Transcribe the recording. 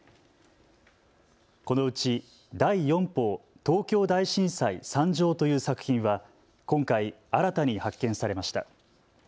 このうち第四報東京大震災惨状という作品は今回、新たに発見されました。